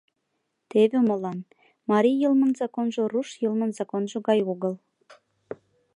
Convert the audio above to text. Теве молан: марий йылмын законжо руш йылмын законжо гай огыл.